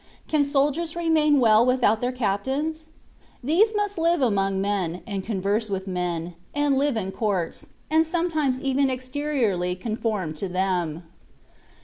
Can soldiers remain well without their captains ? These must live among men, and converse with men, and live in courts, and some times even exteriorly conform to them.